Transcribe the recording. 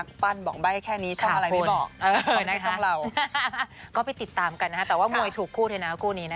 ก็เต็มที่เลยค่ะ